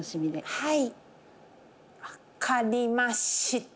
はい。